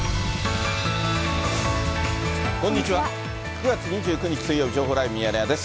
９月２９日水曜日情報ライブミヤネ屋です。